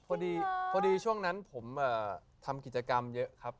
พอดีช่วงนั้นผมทำกิจกรรมเยอะครับ